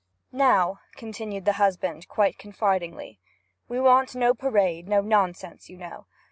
'Now,' continued the husband, quite confidingly, 'we want no parade, no nonsense, you know.